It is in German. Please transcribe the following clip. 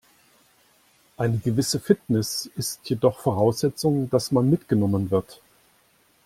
Eine gewisse Fitness ist jedoch Voraussetzung, dass man mitgenommen wird.